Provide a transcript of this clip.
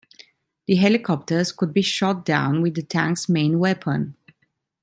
The helicopters could be shot down with the tank's main weapon.